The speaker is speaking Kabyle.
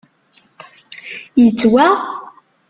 Yettwaɣ?